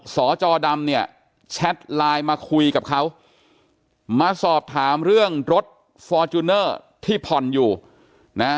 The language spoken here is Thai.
สจดำเนี่ยแชทไลน์มาคุยกับเขามาสอบถามเรื่องรถฟอร์จูเนอร์ที่ผ่อนอยู่นะ